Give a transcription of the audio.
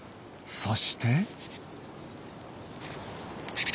そして。